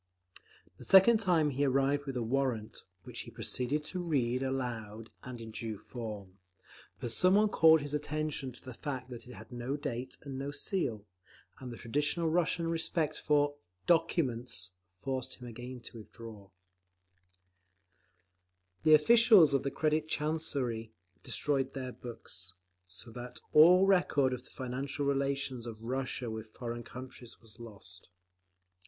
The second time he arrived with a warrant, which he proceeded to read aloud in due form; but some one called his attention to the fact that it had no date and no seal, and the traditional Russian respect for "documents" forced him again to withdraw…. The officials of the Credit Chancery destroyed their books, so that all record of the financial relations of Russia with foreign countries was lost.